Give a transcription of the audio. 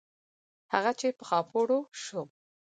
هغه چې په خاپوړو سو.